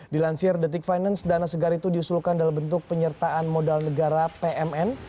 dilansir the tick finance dana segar itu diusulkan dalam bentuk penyertaan modal negara pmn